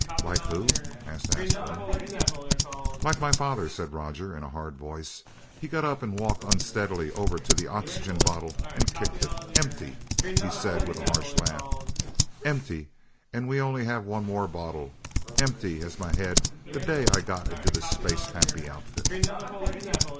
"Like who?" asked Astro. "Like my father," said Roger in a hard voice. He got up and walked unsteadily over to the oxygen bottle and kicked it. "Empty!" he said with a harsh laugh. "Empty and we only have one more bottle. Empty as my head the day I got into this space happy outfit!"